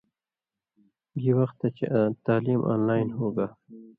گی وختہ چےۡ تعلیم آن لائن ہُوگا